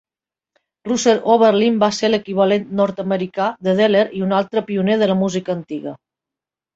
Russell Oberlin va ser l'equivalent nord-americà de Deller i un altre pioner de la música antiga.